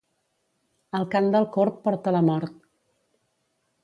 El cant del corb porta la mort.